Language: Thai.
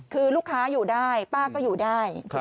คือลูกค้าอยู่ได้ป้าก็อยู่ได้